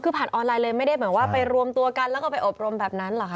คือผ่านออนไลน์เลยไม่ได้เหมือนว่าไปรวมตัวกันแล้วก็ไปอบรมแบบนั้นเหรอคะ